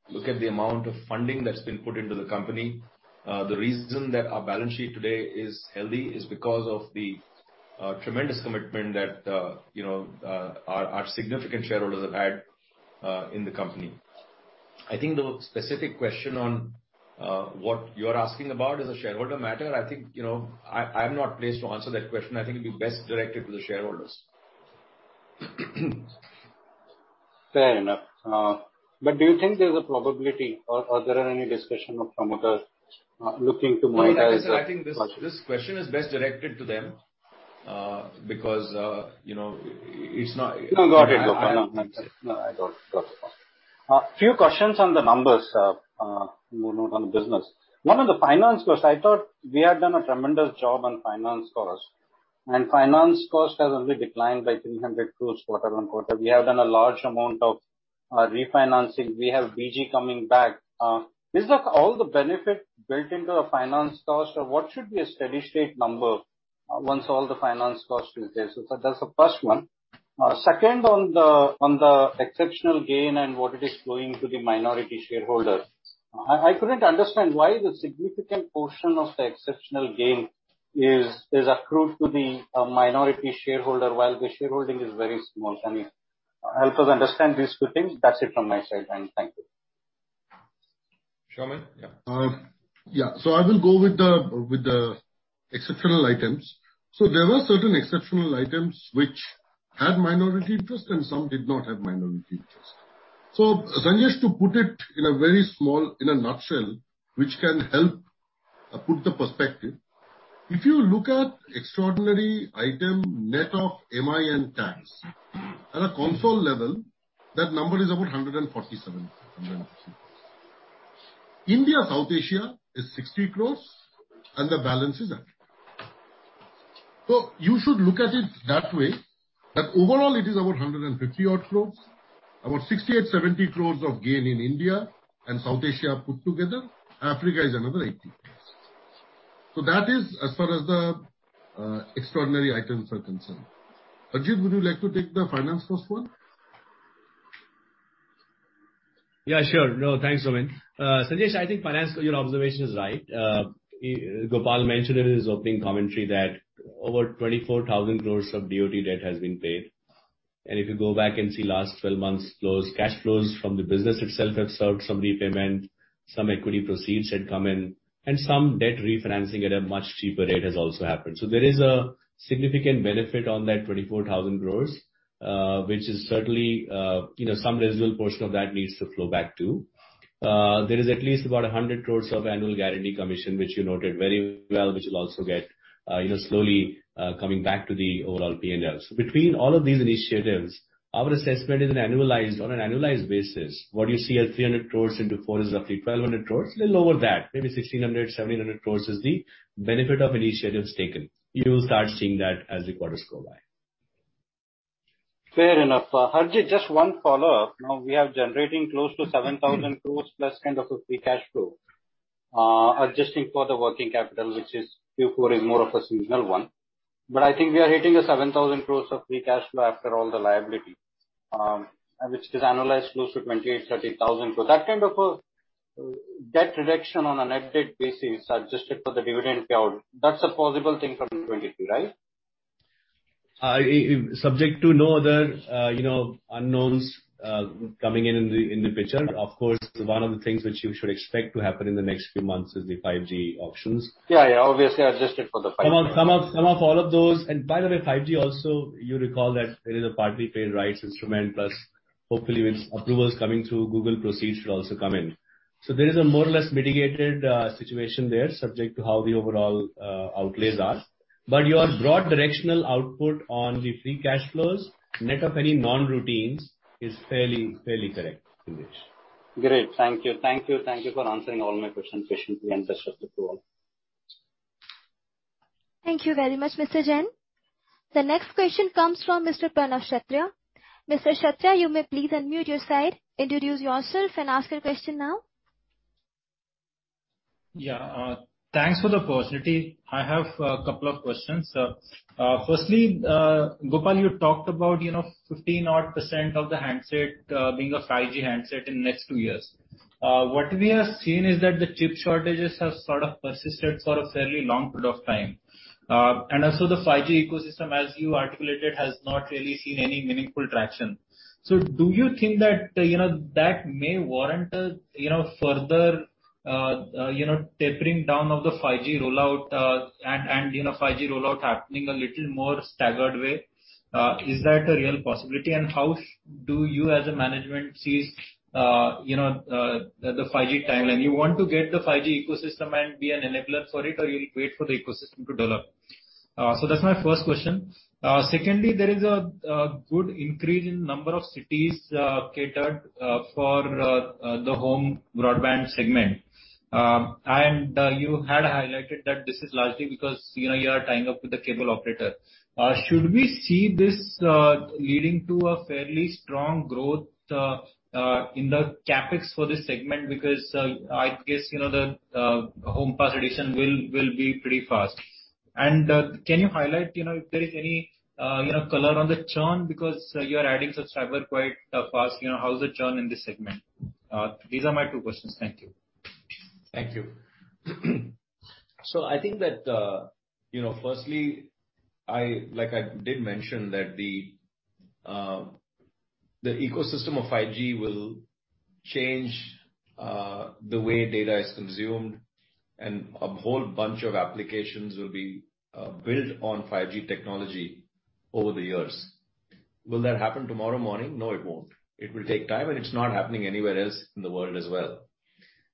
Speaker 1: Look at the amount of funding that's been put into the company. The reason that our balance sheet today is healthy is because of the tremendous commitment that you know our significant shareholders have had in the company. I think the specific question on what you're asking about is a shareholder matter. I think, you know, I'm not placed to answer that question. I think it'd be best directed to the shareholders.
Speaker 5: Fair enough. Do you think there's a probability or there are any discussion of promoters looking to monetize the.
Speaker 1: No, I think this question is best directed to them, because, you know, it's not.
Speaker 5: No, got it, Gopal. No, I got it. Got it. A few questions on the numbers, more on the business. One of the finance costs, I thought we had done a tremendous job on finance cost. Finance cost has only declined by 300 crores quarter-over-quarter. We have done a large amount of refinancing. We have BG coming back. Is that all the benefit built into the finance cost or what should be a steady state number once all the finance cost is there? That's the first one. Second, on the exceptional gain and what it is flowing to the minority shareholder. I couldn't understand why the significant portion of the exceptional gain is accrued to the minority shareholder while the shareholding is very small. Can you help us understand these two things? That's it from my side. Thank you.
Speaker 1: Soumen? Yeah.
Speaker 6: I will go with the exceptional items. There were certain exceptional items which had minority interest and some did not have minority interest. Sanjesh, to put it in a nutshell, which can help put it in perspective. If you look at extraordinary item net of MI and tax at a consolidated level, that number is about 147-150 crores. India South Asia is 60 crores and the balance is Africa. You should look at it that way, that overall it is about 150-odd crores. About 68-70 crores of gain in India and South Asia put together. Africa is another 80 crores. That is as far as the extraordinary items are concerned. Harjeet, would you like to take the finance cost one?
Speaker 7: Yeah, sure. No, thanks, Soumen. Sanjesh, I think finance, your observation is right. Gopal mentioned in his opening commentary that over 24,000 crores of DOT debt has been paid. If you go back and see last 12 months cash flows from the business itself have serviced some repayment, some equity proceeds had come in, and some debt refinancing at a much cheaper rate has also happened. There is a significant benefit on that 24,000 crores, which is certainly, you know, some residual portion of that needs to flow back too. There is at least about 100 crores of annual guarantee commission, which you noted very well, which will also get, you know, slowly coming back to the overall PNLs. Between all of these initiatives, our assessment is an annualized, on an annualized basis, what you see as 300 crores into four is roughly 1,200 crores, a little lower than that. Maybe 1,600-1,700 crores is the benefit of initiatives taken. You will start seeing that as the quarters go by.
Speaker 5: Fair enough. Harjeet, just one follow-up. Now we are generating close to 7,000 crores plus kind of a free cash flow. Adjusting for the working capital, which Q4 is more of a seasonal one, but I think we are hitting 7,000 crores of free cash flow after all the liability, which is annualized close to 28,000-30,000 crores. That kind of debt reduction on a net debt basis adjusted for the dividend payout, that's a plausible thing from 2022, right?
Speaker 7: Subject to no other unknowns coming in the picture. Of course, one of the things which you should expect to happen in the next few months is the 5G auctions.
Speaker 5: Yeah, yeah. Obviously, adjusting for the 5G.
Speaker 7: Some of all of those. By the way, 5G also, you recall that there is a partly paid rights instrument, plus hopefully with approvals coming through, Google proceeds should also come in. There is a more or less mitigated situation there subject to how the overall outlays are. Your broad directional output on the free cash flows, net of any non-routines, is fairly correct, Sanjesh.
Speaker 5: Great. Thank you for answering all my questions patiently and best of luck to all.
Speaker 2: Thank you very much, Mr. Jain. The next question comes from Mr. Pranav Kshatriya. Mr. Kshatriya, you may please unmute your side, introduce yourself and ask your question now.
Speaker 8: Yeah. Thanks for the opportunity. I have a couple of questions. Firstly, Gopal, you talked about, you know, 50-odd% of the handset being a 5G handset in next two years. What we have seen is that the chip shortages have sort of persisted for a fairly long period of time. Also the 5G ecosystem, as you articulated, has not really seen any meaningful traction. Do you think that, you know, that may warrant a, you know, further, you know, tapering down of the 5G rollout, and, you know, 5G rollout happening a little more staggered way? Is that a real possibility? And how do you as a management sees, you know, the 5G timeline? You want to get the 5G ecosystem and be an enabler for it, or you'll wait for the ecosystem to develop? So that's my first question. Secondly, there is a good increase in number of cities catered for the home broadband segment. You had highlighted that this is largely because, you know, you are tying up with the cable operator. Should we see this leading to a fairly strong growth in the CapEx for this segment? Because, I guess, you know, the home pass addition will be pretty fast. Can you highlight, you know, if there is any, you know, color on the churn because you are adding subscriber quite fast. You know, how is the churn in this segment? These are my two questions. Thank you.
Speaker 1: Thank you. I think that, you know, firstly, like I did mention that the ecosystem of 5G will change the way data is consumed and a whole bunch of applications will be built on 5G technology over the years. Will that happen tomorrow morning? No, it won't. It will take time, and it's not happening anywhere else in the world as well.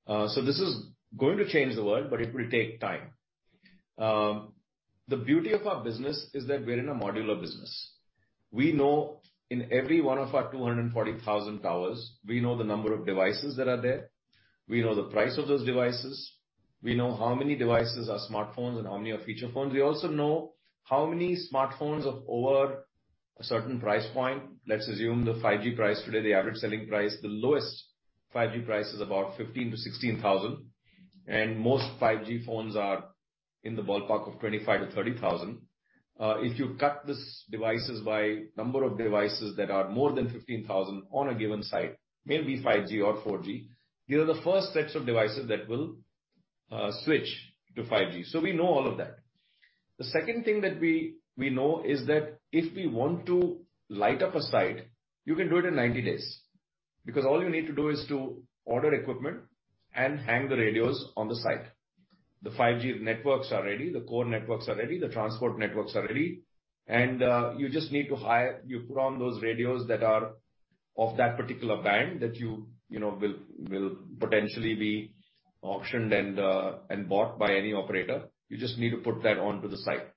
Speaker 1: This is going to change the world, but it will take time. The beauty of our business is that we're in a modular business. We know in every one of our 240,000 towers, we know the number of devices that are there. We know the price of those devices. We know how many devices are smartphones and how many are feature phones. We also know how many smartphones of over a certain price point. Let's assume the 5G price today, the average selling price, the lowest 5G price is about 15,000-16,000, and most 5G phones are in the ballpark of 25,000-30,000. If you cut these devices by number of devices that are more than 15,000 On a given site, maybe 5G or 4G, these are the first sets of devices that will switch to 5G. We know all of that. The second thing that we know is that if we want to light up a site, you can do it in 90 days, because all you need to do is to order equipment and hang the radios on the site. The 5G networks are ready. The core networks are ready. The transport networks are ready. You just need to hire. You put on those radios that are of that particular band that you know will potentially be auctioned and bought by any operator. You just need to put that onto the site.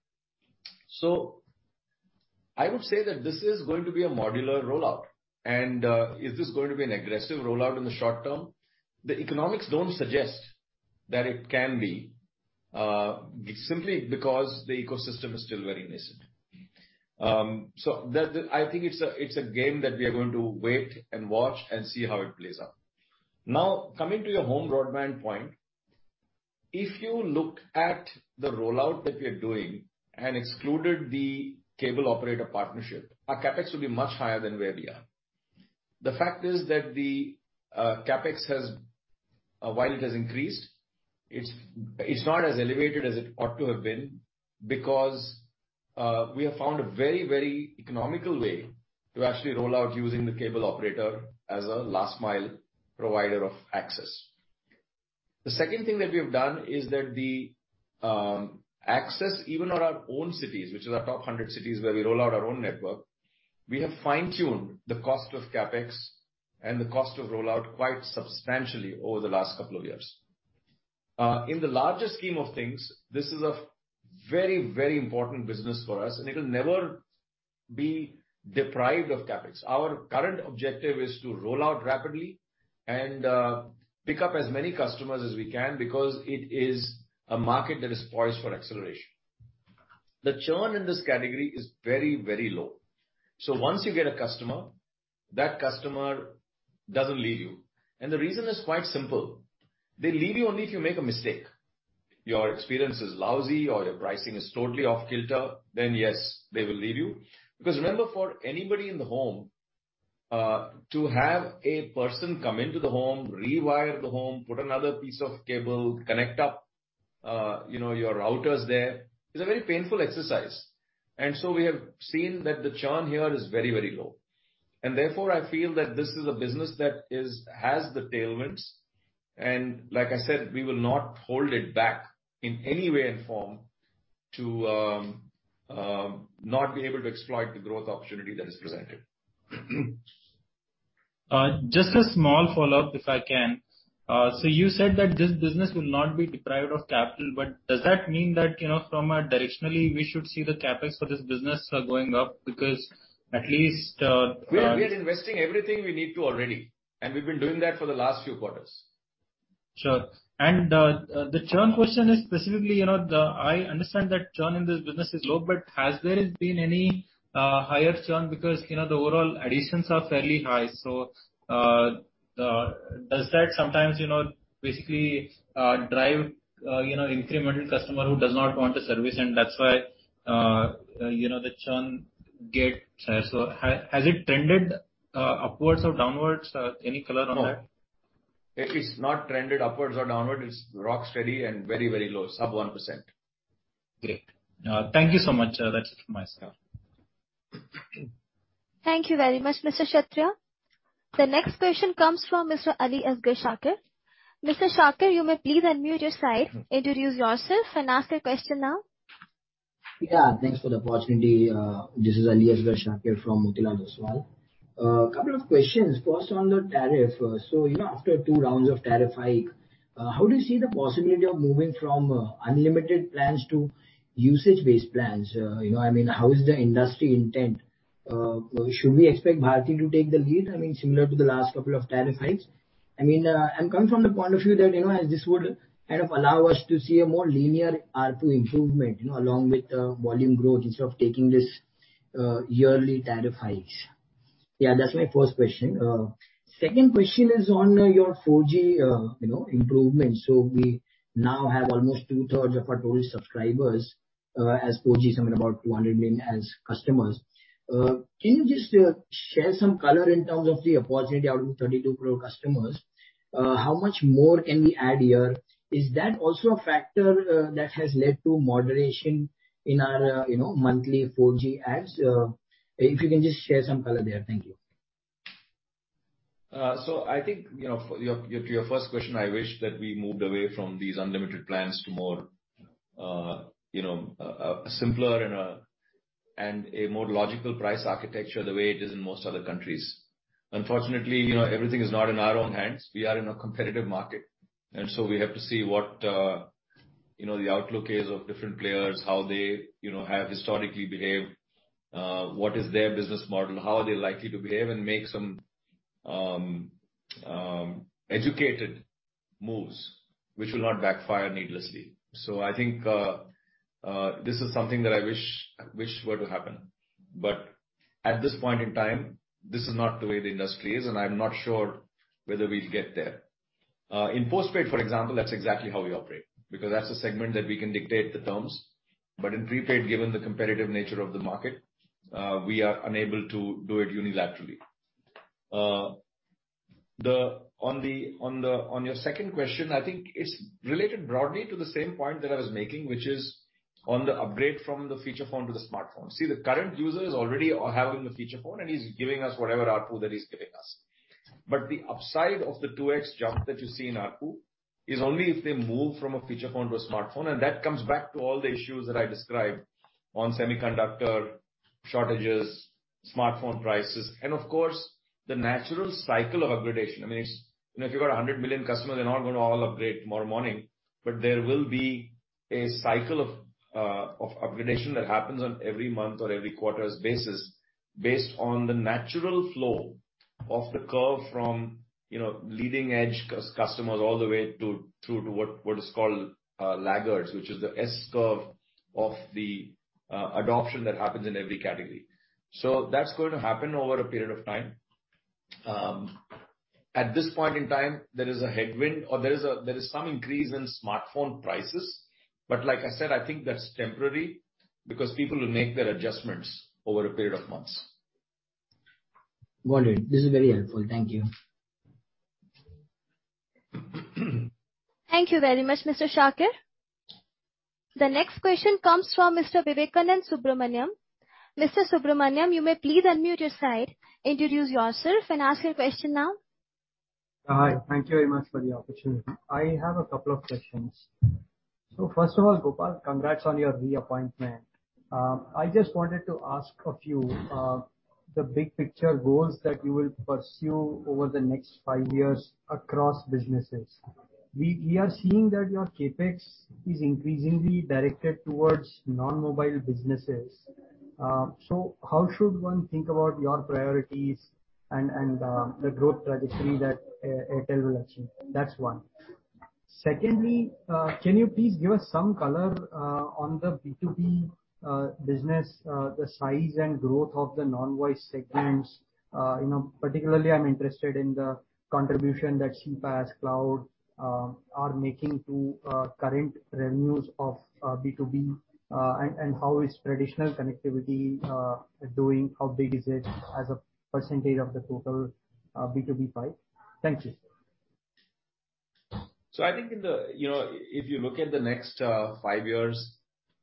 Speaker 1: I would say that this is going to be a modular rollout. Is this going to be an aggressive rollout in the short term? The economics don't suggest that it can be simply because the ecosystem is still very nascent. I think it's a game that we are going to wait and watch and see how it plays out. Now, coming to your home broadband point, if you look at the rollout that we are doing and excluded the cable operator partnership, our CapEx will be much higher than where we are. The fact is that the CapEx has, while it has increased, it's not as elevated as it ought to have been because we have found a very, very economical way to actually roll out using the cable operator as a last mile provider of access. The second thing that we have done is that the access even on our own cities, which is our top 100 cities where we roll out our own network, we have fine-tuned the cost of CapEx and the cost of rollout quite substantially over the last couple of years. In the larger scheme of things, this is a very, very important business for us, and it will never be deprived of CapEx. Our current objective is to roll out rapidly and pick up as many customers as we can because it is a market that is poised for acceleration. The churn in this category is very, very low. Once you get a customer, that customer doesn't leave you. The reason is quite simple. They leave you only if you make a mistake. Your experience is lousy or your pricing is totally off-kilter, then yes, they will leave you. Because remember, for anybody in the home, to have a person come into the home, rewire the home, put another piece of cable, connect up, you know, your routers there, is a very painful exercise. We have seen that the churn here is very, very low. Therefore, I feel that this is a business that has the tailwinds. Like I said, we will not hold it back in any way and form to not be able to exploit the growth opportunity that is presented.
Speaker 8: Just a small follow-up, if I can. You said that this business will not be deprived of capital. Does that mean that, you know, from a directionally, we should see the CapEx for this business, going up? Because at least,
Speaker 1: We are investing everything we need to already, and we've been doing that for the last few quarters.
Speaker 8: Sure. The churn question is specifically, you know, I understand that churn in this business is low, but has there been any higher churn? Because, you know, the overall additions are fairly high. Does that sometimes, you know, basically drive incremental customer who does not want the service? And that's why, you know, the churn gets. Has it trended upwards or downwards? Any color on that?
Speaker 1: No. It is not trended upwards or downwards. It's rock steady and very, very low, sub 1%.
Speaker 8: Great. Thank you so much. That's it from my side.
Speaker 2: Thank you very much, Mr. Kshatriya. The next question comes from Mr. Aliasgar Shakir. Mr. Shakir, you may please unmute your side, introduce yourself and ask your question now.
Speaker 9: Yeah, thanks for the opportunity. This is Aliasgar Shakir from Motilal Oswal. A couple of questions. First, on the tariff. So, you know, after two rounds of tariff hike, how do you see the possibility of moving from unlimited plans to usage-based plans? You know, I mean, how is the industry intent? Should we expect Bharti to take the lead, I mean, similar to the last couple of tariff hikes? I mean, I'm coming from the point of view that, you know, this would kind of allow us to see a more linear ARPU improvement, you know, along with volume growth instead of taking this yearly tariff hikes. Yeah, that's my first question. Second question is on your 4G, you know, improvements. We now have almost two-thirds of our total subscribers as 4G, something about 200 million as customers. Can you just share some color in terms of the opportunity out of 32 crore customers? How much more can we add here? Is that also a factor that has led to moderation in our, you know, monthly 4G adds? If you can just share some color there. Thank you.
Speaker 1: I think, you know, to your first question, I wish that we moved away from these unlimited plans to more, you know, a simpler and a more logical price architecture the way it is in most other countries. Unfortunately, you know, everything is not in our own hands. We are in a competitive market, and so we have to see what, you know, the outlook is of different players, how they, you know, have historically behaved, what is their business model, how are they likely to behave and make some educated moves which will not backfire needlessly. I think this is something that I wish were to happen. But at this point in time, this is not the way the industry is, and I'm not sure whether we'll get there. In postpaid, for example, that's exactly how we operate, because that's a segment that we can dictate the terms. In prepaid, given the competitive nature of the market, we are unable to do it unilaterally. On your second question, I think it's related broadly to the same point that I was making, which is on the upgrade from the feature phone to the smartphone. See, the current user is already having the feature phone, and he's giving us whatever ARPU that he's giving us. The upside of the 2x jump that you see in ARPU is only if they move from a feature phone to a smartphone, and that comes back to all the issues that I described on semiconductor shortages, smartphone prices, and of course, the natural cycle of upgradation. I mean, it's. You know, if you've got 100 million customers, they're not gonna all upgrade tomorrow morning. There will be a cycle of upgradation that happens on every month or every quarter's basis based on the natural flow of the curve from leading edge customers all the way to what is called laggards, which is the S curve of the adoption that happens in every category. That's going to happen over a period of time. At this point in time, there is a headwind or there is some increase in smartphone prices. Like I said, I think that's temporary because people will make their adjustments over a period of months.
Speaker 9: Got it. This is very helpful. Thank you.
Speaker 2: Thank you very much, Mr. Shakir. The next question comes from Mr. Vivekanand Subbaraman. Mr. Subbaraman, you may please unmute your side, introduce yourself, and ask your question now.
Speaker 10: Hi. Thank you very much for the opportunity. I have a couple of questions. First of all, Gopal, congrats on your reappointment. I just wanted to ask a few, the big picture goals that you will pursue over the next five years across businesses. We are seeing that your CapEx is increasingly directed towards non-mobile businesses. So how should one think about your priorities and the growth trajectory that Airtel will achieve? That's one. Secondly, can you please give us some color on the B2B business, the size and growth of the non-voice segments? You know, particularly I'm interested in the contribution that CPaaS cloud are making to current revenues of B2B. And how is traditional connectivity doing? How big is it as a percentage of the total B2B pie? Thank you.
Speaker 1: I think, you know, if you look at the next five years,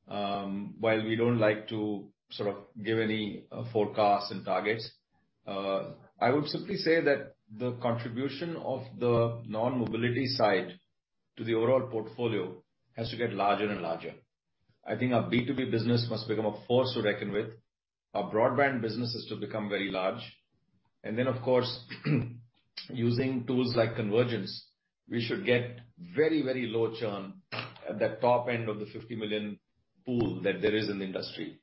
Speaker 1: while we don't like to sort of give any forecasts and targets, I would simply say that the contribution of the non-mobility side to the overall portfolio has to get larger and larger. I think our B2B business must become a force to reckon with. Our broadband business is to become very large. And then, of course, using tools like convergence, we should get very, very low churn at the top end of the 50 million pool that there is in the industry.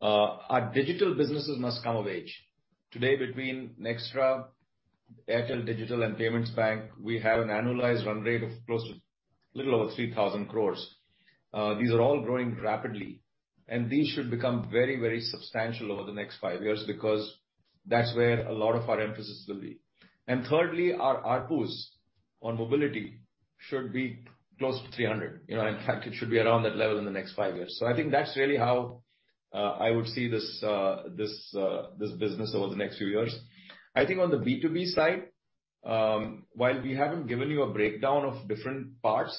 Speaker 1: Our digital businesses must come of age. Today, between Nxtra, Airtel Digital, and Airtel Payments Bank, we have an annualized run rate of close to a little over 3,000 crores. These are all growing rapidly, and these should become very, very substantial over the next five years because that's where a lot of our emphasis will be. Thirdly, our ARPU's on mobility should be close to 300. You know, in fact, it should be around that level in the next five years. I think that's really how I would see this business over the next few years. I think on the B2B side, while we haven't given you a breakdown of different parts,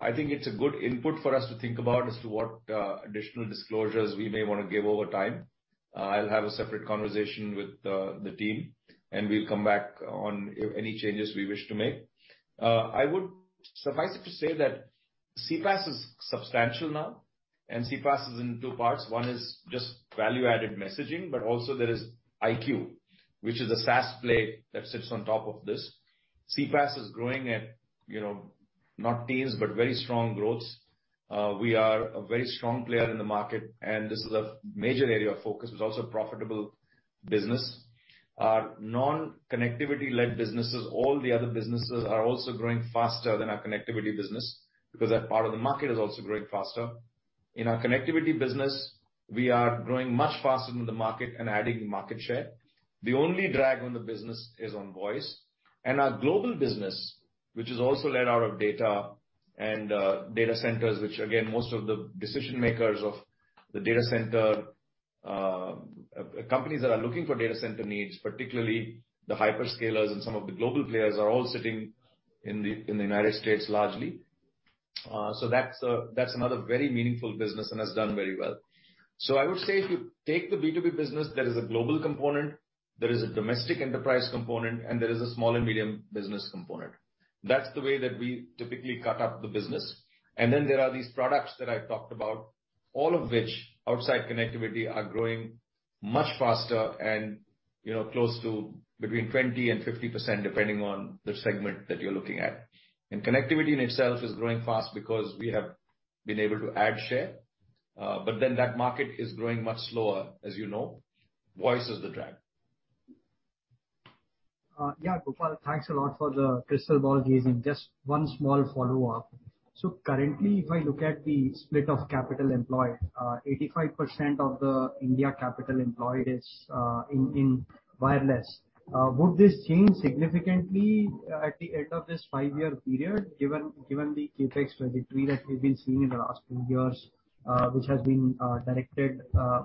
Speaker 1: I think it's a good input for us to think about as to what additional disclosures we may wanna give over time. I'll have a separate conversation with the team, and we'll come back on any changes we wish to make. I would suffice it to say that CPaaS is substantial now, and CPaaS is in two parts. One is just value-added messaging, but also there is IQ, which is a SaaS play that sits on top of this. CPaaS is growing at, you know, not teens, but very strong growths. We are a very strong player in the market, and this is a major area of focus. It's also a profitable business. Our non-connectivity-led businesses, all the other businesses are also growing faster than our connectivity business because that part of the market is also growing faster. In our connectivity business, we are growing much faster than the market and adding market share. The only drag on the business is on voice. Our global business, which is also led out of data and data centers, which again, most of the decision-makers of the data center companies that are looking for data center needs, particularly the hyperscalers and some of the global players, are all sitting in the United States, largely. That's another very meaningful business and has done very well. I would say if you take the B2B business, there is a global component, there is a domestic enterprise component, and there is a small and medium business component. That's the way that we typically cut up the business. Then there are these products that I've talked about, all of which, outside connectivity, are growing much faster and, you know, close to 20%-50%, depending on the segment that you're looking at. Connectivity in itself is growing fast because we have been able to add share. That market is growing much slower, as you know. Voice is the drag.
Speaker 10: Yeah, Gopal, thanks a lot for the crystal ball gazing. Just one small follow-up. Currently, if I look at the split of capital employed, 85% of the India capital employed is in wireless. Would this change significantly at the end of this five-year period, given the CapEx trajectory that we've been seeing in the last few years, which has been directed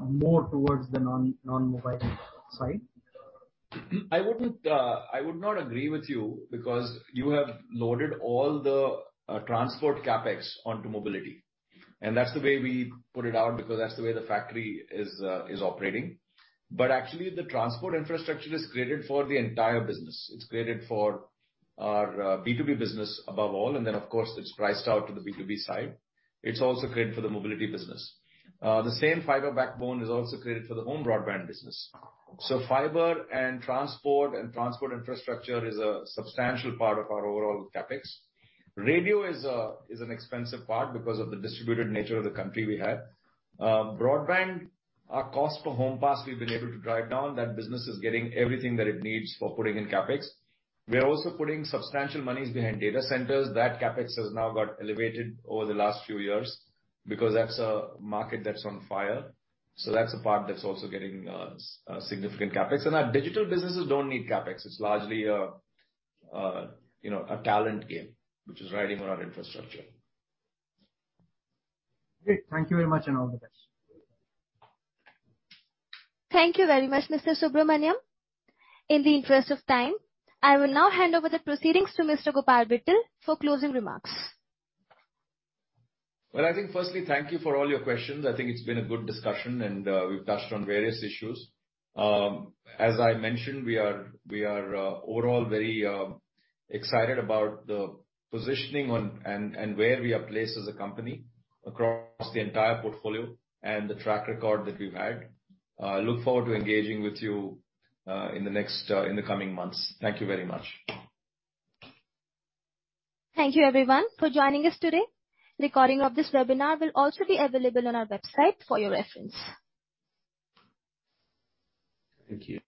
Speaker 10: more towards the non-mobile side?
Speaker 1: I would not agree with you because you have loaded all the transport CapEx onto mobility. That's the way we put it out because that's the way the factory is operating. Actually, the transport infrastructure is created for the entire business. It's created for our B2B business above all. Of course, it's priced out to the B2B side. It's also created for the mobility business. The same fiber backbone is also created for the home broadband business. Fiber and transport infrastructure is a substantial part of our overall CapEx. Radio is an expensive part because of the distributed nature of the country we have. Broadband, our cost for Home Pass, we've been able to drive down. That business is getting everything that it needs for putting in CapEx. We are also putting substantial monies behind data centers. That CapEx has now got elevated over the last few years because that's a market that's on fire. That's a part that's also getting significant CapEx. Our digital businesses don't need CapEx. It's largely a you know, a talent game which is riding on our infrastructure.
Speaker 10: Great. Thank you very much, and all the best.
Speaker 2: Thank you very much, Mr. Subbaraman. In the interest of time, I will now hand over the proceedings to Mr. Gopal Vittal for closing remarks.
Speaker 1: Well, I think firstly, thank you for all your questions. I think it's been a good discussion, and we've touched on various issues. As I mentioned, we are overall very excited about the positioning and where we are placed as a company across the entire portfolio and the track record that we've had. Look forward to engaging with you in the coming months. Thank you very much.
Speaker 2: Thank you, everyone, for joining us today. Recording of this Webinar will also be available on our website for your reference.
Speaker 1: Thank you.